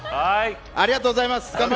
ありがとうございます。